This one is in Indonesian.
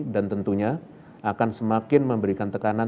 dan tentunya akan semakin memberikan tekanan